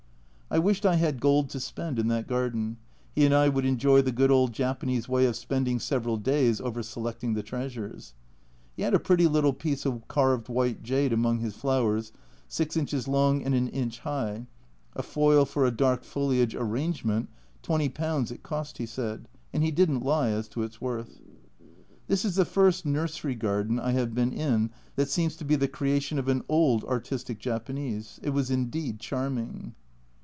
I wished I had gold to spend in that garden, he and I would enjoy the good old Japanese way of spending several days over selecting the treasures. He had a pretty little piece of carved white jade among his flowers, six inches long and an inch high a foil for a dark foliage arrangement, 20 it cost, he said, and he didn't lie as to its worth. This is the first nursery garden I have been in that seems to be the creation of an old artistic Japanese, it was indeed charming.